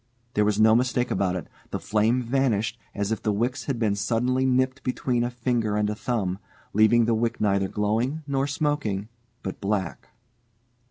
There was no mistake about it. The flame vanished, as if the wicks had been suddenly nipped between a finger and a thumb, leaving the wick neither glowing nor smoking, but black.